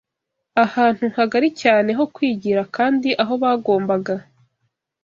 ahantu hagari cyane ho kwigira, kandi aho bagombaga